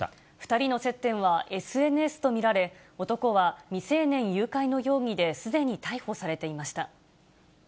２人の接点はＳＮＳと見られ、男は未成年誘拐の容疑ですでに逮捕されていました。